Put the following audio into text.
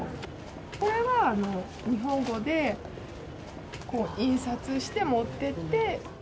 これは、日本語で印刷して持って行って。